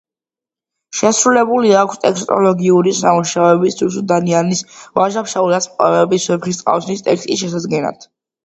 შესრულებული აქვს ტექსტოლოგიური სამუშაოები „რუსუდანიანის“, ვაჟა-ფშაველას პოემების, ვეფხისტყაოსნის ტექსტის დასადგენად.